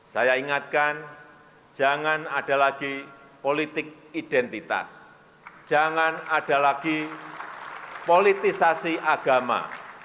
saya ingatkan jangan ada lagi politik identitas jangan ada lagi politisasi agama